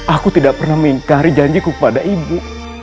aku tidak pernah mengingkari janji ku pada ibu